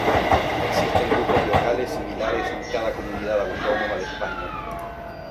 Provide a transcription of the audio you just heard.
Existen grupos locales similares en cada Comunidad Autónoma de España.